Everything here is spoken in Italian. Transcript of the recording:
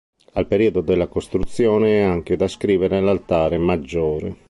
Al periodo della costruzione è anche da ascrivere l'altare maggiore.